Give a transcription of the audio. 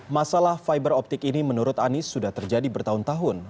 masalah fiberoptik ini menurut anies sudah terjadi bertahun tahun